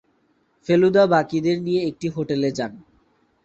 ফেলুদা বাকিদের নিয়ে একটি হোটেলে যান।